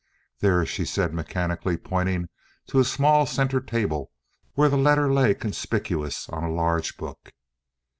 "There," she said, mechanically pointing to a small center table where the letter lay conspicuous on a large book.